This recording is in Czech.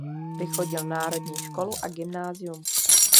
Vychodil národní školu a gymnázium.